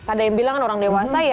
ada yang bilang kan orang dewasa ya